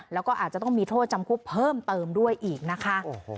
แล้วก็อาจจะต้องมีโทษจำคุกเพิ่มเติมด้วยอีกนะคะ